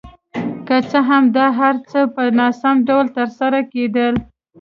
که څه هم دا هر څه په ناسم ډول ترسره کېدل.